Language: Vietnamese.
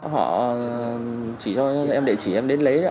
họ chỉ cho em địa chỉ em đến lấy